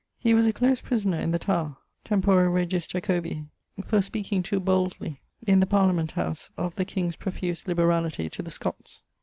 He was a close prisoner in the Tower, tempore regis Jacobi, for speaking too boldly in the Parliament house of the king's profuse liberality to the Scotts.